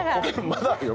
まだあるよ。